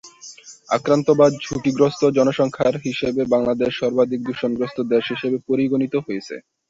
আক্রান্ত বা ঝুঁকিগ্রস্থ জনসংখ্যার হিসেবে বাংলাদেশ সর্বাধিক দূষণগ্রস্থ দেশ হিসেবে পরিগণিত হয়েছে।